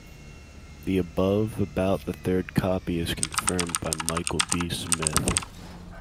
The above about the third copy is confirmed by Michael D. Smith.